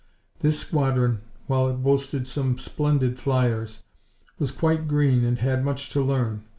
This squadron, while it boasted some splendid flyers, was quite green and had much to learn.